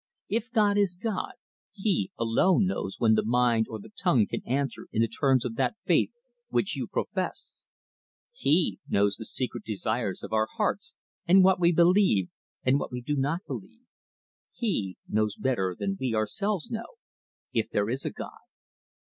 If God is God, He alone knows when the mind or the tongue can answer in the terms of that faith which you profess. He knows the secret desires of our hearts, and what we believe, and what we do not believe; He knows better than we ourselves know if there is a God.